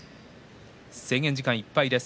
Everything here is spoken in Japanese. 制限時間いっぱいです。